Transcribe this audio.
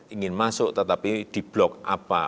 ingin masuk tetapi di blok apa